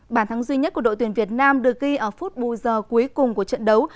bản thắng duy nhất của đội tuyển việt nam được ghi ở phút bù giờ cuối cùng của trận đấu